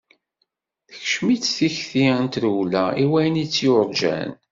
Tekcem-itt tikti n trewla i wayen i tt-yurǧan.